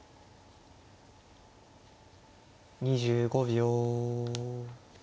２５秒。